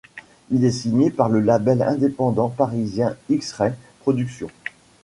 Il est signé par le label indépendant parisien X-Ray Production.